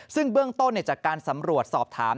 ซึ่งเบื้องต้นจากการสำรวจสอบถาม